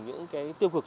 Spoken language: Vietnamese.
những cái tiêu cực